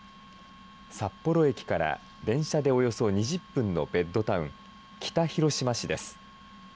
札幌駅から電車でおよそ２０分のベッドタウン、北広島市です。